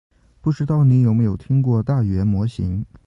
不知道你有没有听过大语言模型？